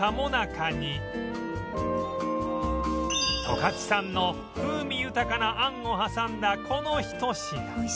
十勝産の風味豊かなあんを挟んだこのひと品